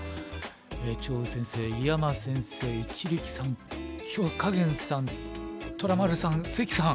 張栩先生井山先生一力さん許家元さん虎丸さん関さん。